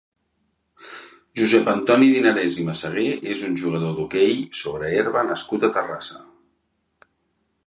Josep Antoni Dinarés i Massagué és un jugador d'hoquei sobre herba nascut a Terrassa.